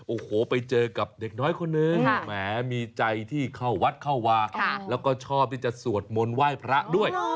โอ้โหไปเจอกับเด็กน้อยคนนึงแหมมีใจที่เข้าวัดเข้าวาแล้วก็ชอบที่จะสวดมนต์ไหว้พระด้วย